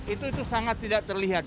itu sangat tidak terlihat